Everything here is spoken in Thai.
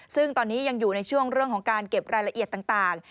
ซึ่งตอนนี้ยังอยู่ในช่วงเรื่องของการเก็บรายละเอียดต่าง